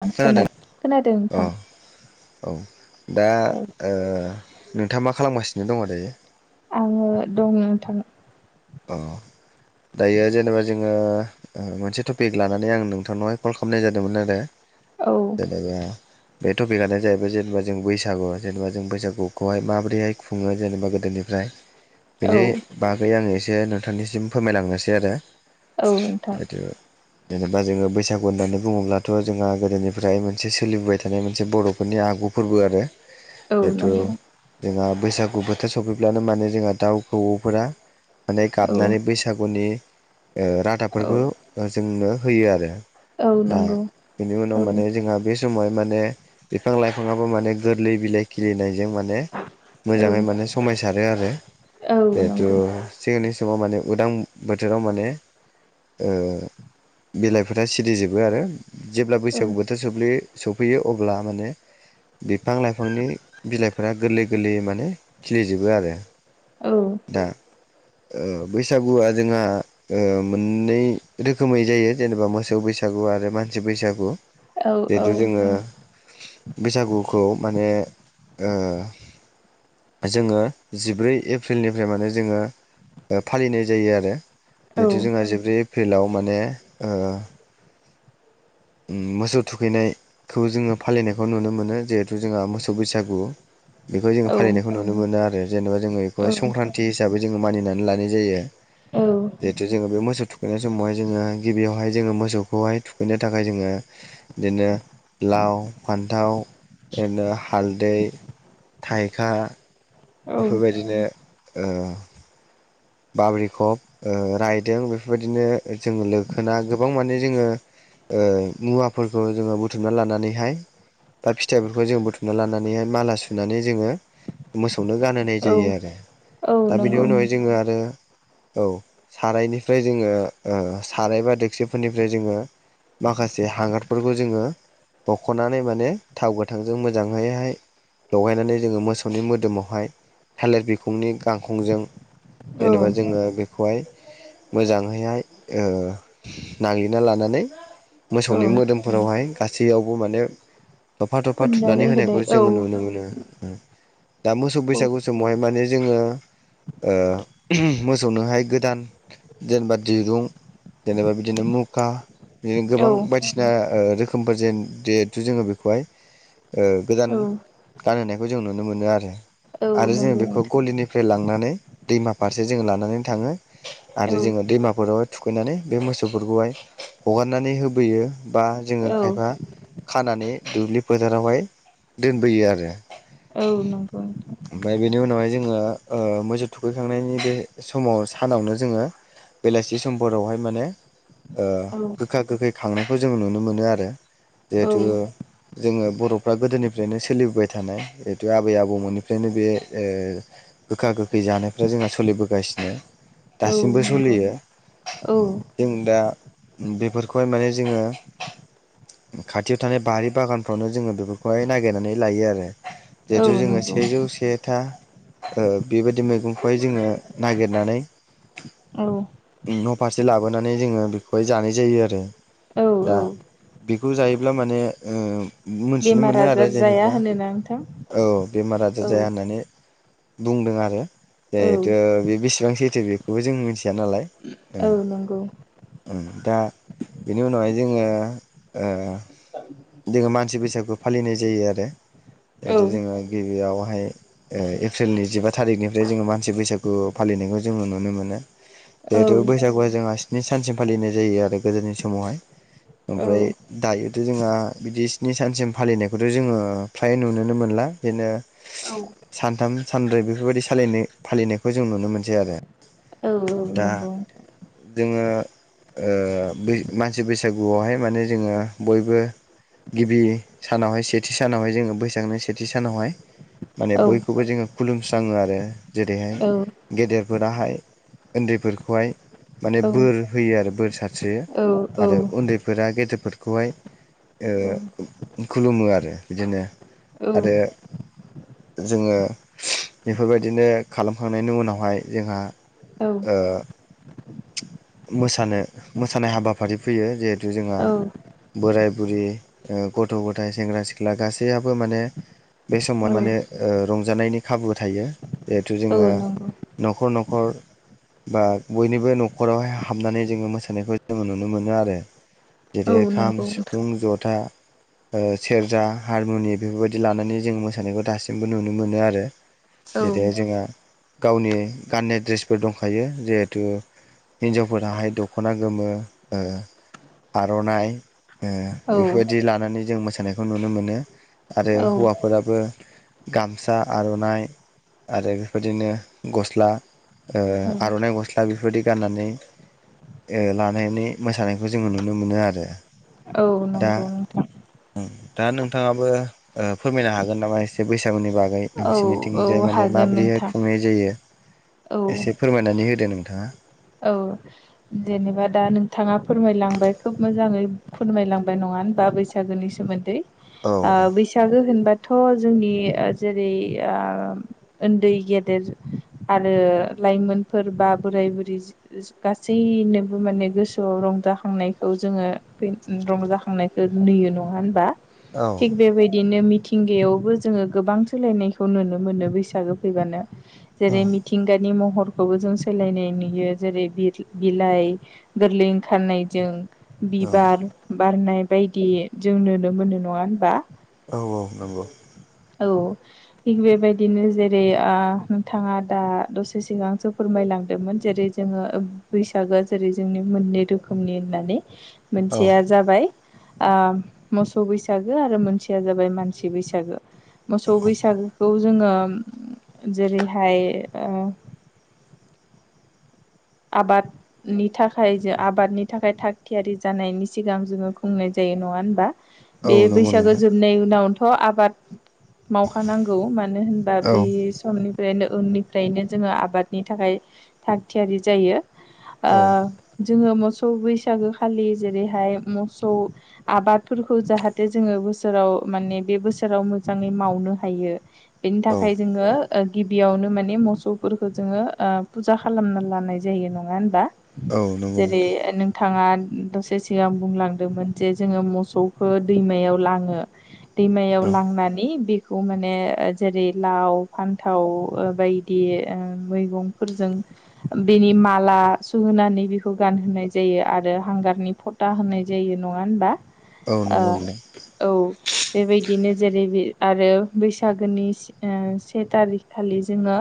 [unintelligible] खोनादों खोनादों अ नोंथां। औ दा औ ओ नोंथाङा मा खालामगासिनो दङ दायो आङो दं नोंथां। औ दायो जेनेबा जोङो मोनसे टपिक लानानै आं नोंथांनावहाय कल खालामनाय जादोंमोन आरो। औ [unintelligible] बे टपिकआनो जाहैबाय जेनेबा जों बैसागु जेनेबा जों बैसागुखौहाय माबोरैहाय खुङो जेनेबा गोदोनिफ्राय औ बिनि बागै आङो एसे नोंथांनिसिम फोरमायलांनोसै आरो। औ नोंथां। जिहेथु जेनेबा जोङो बैसागु होननानै बुङोब्लाथ' जोंहा गोदोनिफ्राय मोनसे सोलिबोबाय थानाय मोनसे बर'फोरनि आ आगु फोरबो आरो औ जिथु नंगौ जोंना। बैसागु बोथोर सफैब्लानो माने जोंहा दाउ खौवौफोरा माने औ गाबनानै बैसागुनि ओ औ रादाबफोरखौ जोंनो होयो आरो। औ दा नंगौ बेनि उनाव औ माने जोंहा बे समाव माने बिफां लाइफाङाबो माने गोरलै बिलाइ खिलिनाय। बेजों माने औ मोजाङै माने समायसारो आरो औ जेहेथु। नंगौ नि समाव माने उदां बोथोराव माने ओ बिलाइफोरा सिरिजोबो आरो जेब्ला औ बैसागु बोथोर सौफैयो सफैयो अब्ला माने बिफां लाइफांनि बिलाइफोरा गोरलै गोरलैयै माने खिलिजोबो आरो औ दा ओ बैसागुआ जोंहा ओ मोननै रोखोमै जायो जेनेबा मोसौ बैसागु गु आरो मानसि बैसागु औ औ जिहेथु औ जोङो। बैसागुखौ माने ओ जोङो जिब्रै एप्रिलनिफ्राय माने जोङो फालिनाय जायो आरो जिहेथु जोंहा जिब्रै एप्रिलाव माने ओ मोसौ थुखैनायखौ जोङो फालिनायखौ नुनो मोनो जिहेथु जोंहा मोसौ बैसागु। बेखौ जोङो फालिनायखौ औ नुनो मोनो आरो जेनेबा जोङो बेखौहाय संक्रान्ति हिसाबै जोङो मानिनानै लानाय जायो। औ जिहेथु जोङो बे मोसौ थुखैनाय समावहाय जोङो गिबियावहाय जोङो मोसौखौहाय थुखैनाय थाखाय जोङो बिदिनो लाव फान्थाव इदिनो हालदै, थाइखा बेफोरबायदिनो ओ! बाब्रिखब ओ रायदों बेफोरबायदिनो जोङो लोखोना गोबां माने जोङो। ओ मुवाफोरखौ जोङो बुथुमना लानानैहाय। बा फिथाइफोरखौ जोङो बुथुमना लानानैहाय माला सुनानै जोङो मोसौ नो गानहोनाय औ जायो आरो औ दा बिनि नंगौ उनावहाय जोङो आरो। औ सारायनिफ्राय जोङो ओ साराय बा देक्सिफोरनिफ्राय जोङो माखासे हांगारफोरखौ जोङो बख'नानै माने थाव गोथांजों मोजाङैहाय। लगायनानै जोङो मोसौनि मोदोमावहाय थालिर बिखुंनि गांखंजों। औ जेनेबा जोङो बेखौहाय। मोजाङैहाय ओ नागिरना लानानै। औ मोसौनि मोदोमफोरावहाय गासैयावबो माने दफा दफा थुनानै खननानै होनाय होनायखौ औ जोङो नुनो मोनो दा मोसौ औ बैसागु समावहाय माने। जोङो ओ मोसौनोहाय गोदान जेनेबा दिरुं। जेनेबा बिदिनो मुखा। बिदिनो गोबां औ बायदिसिना ओ रोखोमफोर जेन जेहेथु जोङो बेखौहाय। ओ गोदान औ गानहोनायखौ जों नुनो मोनो आरो औ आरो जोङो नंगौ बेखौ नोंथां गलिनि फ्राय लांनानै दैमा फारसे जोङो लानानै थाङो। आरो औ जोङो दैमाफोरावहाय थुखैनानै बे मोसौफोरखौहाय हगारनानै होबोयो बा जों। जोङो औ खायफा खानानै दुब्लि फोथारावहाय दोनबोयो आरो। औ नंगौ ओमफ्राय बेनि उनावहाय जोङो ओ मोसौ थुखै। थांनायनि बे समाव सानावनो जोङो बेलासि समफोरावहाय माने। ओ औ गोखा गोखै खांनायखौ जों नुनो मोनो आरो औ जिहेथु। जोङो बर'फ्रा गोदोनिफ्रायनो सोलिबोबाय थानाय जितु आबै आबौमोननिफ्रायनो बे ओ। गोखा गोखै जानायफ्रा जोंहा सोलिबोगासिनो। औ दासिमबो नंगौ सोलियो औ जों दा। बेफोरखौहाय माने जोङो। खाथियाव थानाय बारि बागानफ्रावनो जोङो बेफोरखौहाय नागिरनानै लायो आरो। औ जिहेथु जोङो नंगौ सेजौ सेथा ओ बेबायदि मैगं। बेखौहाय जोङो नागिरनानै। औ। न' फारसे लाबोनानै जोङो बेखौहाय जानाय जायो आरो। औ दा औ बेखौ जायोब्ला माने ओ। मोनथिनो बेमार मोनो आरो आजार जाया जेनेबा होनोना नोंथां औ बेमार आजार औ जाया होननानै। बुंदों आरो। औ जिहेथु बे बेसेबां सैथो बेखौबो जों मिथिया नालाय ओ। औ नंगौ उम दा बेनि उनावहाय जोङो ओ। जोङो मानसि बैसागु फालिनाय जायो आरो। औ जोङो गिबियावहाय ओ एप्रिलनि जिबा थारिखनिफ्राय जोङो मानसि बैसागु फालियो। गेनायखौ जोङो नुनो मोनो। औ जिहेतु बैसागुआ जोंहा स्नि सानसिम फालिनाय जायो आरो गोदोनि समावहाय। औ ओमफ्राय दायोथ' जोंहा। बिदि स्नि सानसिम फालिनायखौथ' जोङो फ्राय नुुनोनो मोनला बेनो। औ सानथाम सानब्रै बेफोरबायदि सालायनाय फालिनायखौ जों नुनो मोनसै आरो। औ-औ दा नंगौ। जोङो ओ बि मानसि बैसागुआवहाय माने जोङो बयबो। गिबि सानावहाय सेथि सानावहाय जोङो बैसागोनि सेथि सानावहाय। माने औ बयखौबो जोङो खुलुमस्राङो आरो जेरैहाय औ गेदेर। फोराहाय उन्दैफोरखौहाय माने औ बोर होयो आरो बोर सारस्रियो। औ आरो उन्दैफोरा गेदेरफोरखौहाय। ओ खुलुमो आरो बिदिनो आरो। जोङो बेफोरबायदिनो खालामखांनायनि उनावहाय जोंहा। औ ओ मोसानो मोसानाय हाबाफारि फैयो जिहेथु जोंहा औ बोराय। गुरि ओ गथ' गथाय सेंग्रा सिख्ला गासैयाबबो माने। बे समाव माने रंजानायनि खाबु थायो जिहेथु जोङो न। नंगौ न'खर न'खर। बा बयनिबो न'खरावाय हाबनानै जोङो मोसानायखौ जोङो नुनो मोनो आरो। औ नंगौ नोंथां। था ओ सेरजा हारमुनियम बेफोरबायदि लानानै जों मोसानायखौ दासिमबो नुनो मोनो आरो। जेरै जोंहा गावनि गाननाय दड्रेसफोर दंखायो जिहेथु। हिन्जावफोरनाहाय दखना गोमो ओ आरनाइ ओ औ बेफोरबायदि लानानै जों मोसानायखौ नुनो मोनो आरो औ हौवाफोराबो गामसा आरनाइ आरो बेबायदिनो गस्ला ओ औ आरनाइ गस्ला बेफोरबायदि गाननानै ओ‌ लानानै मोसानायखौ जोङो नुनो मोनो आरो औ दा नंगौ नोंथां दा नोंथाङाबो ऐ फोरमायनो हागोन नामा एसे बैसागुनि बागै औ औ नोंसिनिथिंजाय माने हागोन माब्रैहाय नोंथां खुंनाय जायो औ एसे फोरमायनानै होदो नोंथां नोंथाङा औ जेनेबा दा नोंथाङा फोरमायलांबाय खोब मोजाङै फोरमायलांबाय नङा होन बा बैसागोनि सोमोन्दै औ ओ बैसागो होनबा थ जोंनि ओ जेरै ओ ओन्दै गेदेर आरो लाइमोनफोर बा बोराय बुरि गासैनोबो माने गोसोआव रंजाखांनायखौ जोङो [unintelligible] रंजाखांनायखौ नुयो नङा होनबा औ थिग बेबायदि बिदिनो मिथिंगायावबो जोङो गोबां सोलायनायखौ नुनो मोनो बैसागो फैबानो औ जेरै मिथिंगानि महरखौबो जों सोलायनाय नुयो जेरै बिथ बिलाइ गोरलै ओंखारनायजों औ बिबार बारनाय बायदि जों नुनो मोनो नङा होनबा औ औ नंगौ औ थिग बेबायदिनो जेरै आ नोंथाङा दा दसे सिगांसो फोरमायलां लांदोंमोन जेरै जोङो बैसागोआ जेरै जोंनि मोननै रोखोमनि होननानै औ मोनसेया जाबाय आ मोसौ बैसागो आरो मोनसेया जाबाय मानसि बैसागो मोसौ बैसागोखौ जोङो उम जेरैहाय ओ आबादनि थाखाय जो आबादनि थाखाय थाग थियारि जानायनि सिगां जोङो खुंनाय जायो यो नङा होनबा औ बे नंगौ बैसागो नोंथां जोबनाय उनावथ आबाद मावखानांगौ मानो होनबा औ बे समनि बेनो उननिफ्रायनो जोङो आबादनि थाखाय थाग थियारि जायो आ औ जोङो मोसौ बैसागोखालि जेरैहाय मोसौ आबादफोरखौ जाहाथे जोङो बोसोराव माने बे बोसोराव मोजाङै मावनो हायो बेनि औ थाखाय जोङो ओ गिबियावनो माने मोसौफोरखौ जोङो फुजा खालामना लानाय जायो नङा होनबा औ नंगौ जेरै नोंथां नोंथाङा दसे सिगां बुंलांदोंमोन जे जोङो मोसौखो दैमायाव लाङो दैमायाव औ लांनानै बे खौ माने जेरै लाव फान्थाव ओ बायदि ओ मैगंफोरजों ओम बेनि माला सुहोनानै बेखौ गानहोनाय जायो आरो हांगारनि फटा होनाय जायो नङा होनबा औ ओ नंगौ नोंथां औ बेबायदिनो जेरै बे आरो बैसागोनि स ओ से थारिख खालि जोङो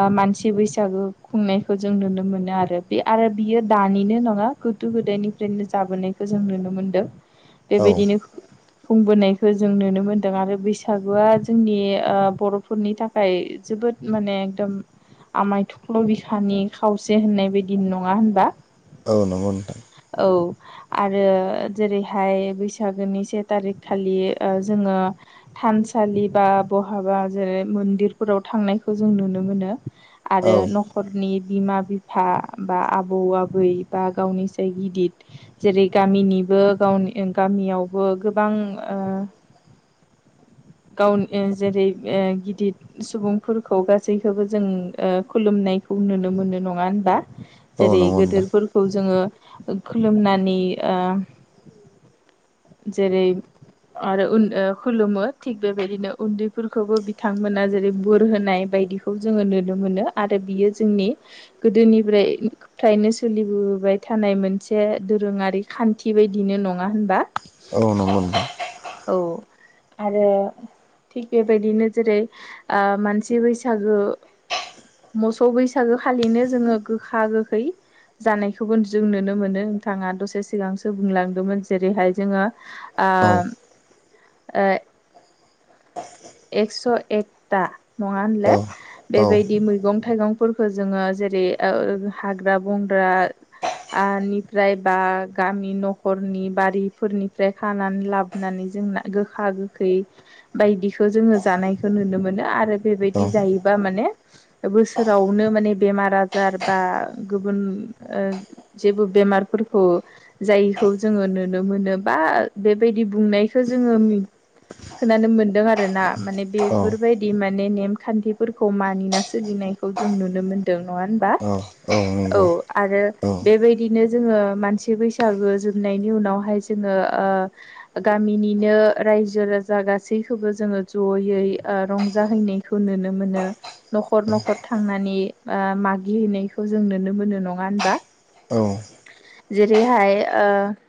ओ मानसि थि बैसागो खुंनाय खौ जों नुनो मोनो आरो बे आरो बियो दानिनो नङा गोदो गोदायनिफ्रायनो जाबोनायखौ जों नुनो मोनो मोनदों औ बेबायदिनो खुंबोनायखो जों नुनो मोनदों आरो बैसागुआ जोंनि ओ बर'फोरनि थाखाय जो बोद माने एकदम आमाय थख्ल बिखा खानि खावसे होननाय बायदि नङा होनबा औ नंगौ नथां। औ आरो जेरैहाय बैसागोनि से थारिख खालि जोङो। थानसालि बा बहाबा जेरै मन्दिरफोराव थांनायखौ जों नुनो मोनो। आरो औ नखर। नि बिमा बिफा बा आबौ आबै बा गावनिसाय गिदिर जेरै गामिनि। गनिबो गावनि गामियावबो गोबां ओ। गावनि जेरै गिदिर सुबुंफोरखौ गासैखौबो जों खुलुमनाय। खौ नुनो मोनो नङा होनबा औ जेरै नंगौ नोंथां गेदोरफोरखौ जोङो खुलुमनानै आ आरो उन ओ खुलुमो थिग बेबायदिनो उन्दैफोरखौबो बिथांमोना जेरै बोर होनाय बायदिखौ जोङो नुनो मोनो आरो बियो जोंनि गोदोनिफ्राय फ्राय सोलिबोबोबाय थानाय मोनसे दोरोङारि खान्थि बायदिनो नङा होनबा? औ नंगौ औ आरो थिग बेबायदिनो जेरै ओ मानसि बैसागु सागु खालिनो जोङो गोखा, गोखै जानायखौबो जों नुनो मोनो नोंथाङा दसे सिगांसो बुंलांदोंमोन जेरैहाय जोङो आ औ ओ एक्स' एकथा नङा होनलाय औ औ बेबायदि मैगं-थाइगं फोरखो जोङो जेरै ओ हाग्रा बंग्रा आलिफ्राय बा गामि न'खरनि बारिफोरनिफ्राय खानानै लाबोनानै जोंना गोखा गोखै बायदि खौ जोङो जानायखौ नुनो मोनो आरो औ बेबायदि जायोबा माने बोसोरावनो माने बेमार आजार बा गुबुन ओ जेबो मारफोरखौ जायैखौ जोङो नुनो मोनो बा बेबायदि बुंनायखौ जोङो बे खोनानो मोनदों आ रोना माने औ बेफोरबायदि माने नेमखान्थिफोरखौ मानिना सोलिनायखौ जों नुनो मोनदों। नंङा होनबा। औ औ नंगौ आरो औ बेबायदिनो जोङो मानसि बैसागो जोबनायनि उनावहाय जोङो ओ ओ गामिनिनो रायजो राजा गासैखौबो जोङो ज'यै आ रंजाहैनायखौ नुनो मोनो न'खर न'खर थांनानै मा मागिहैनायखौ जों नुनो मोननाय नङा होनबा औ जेरैहाय ओ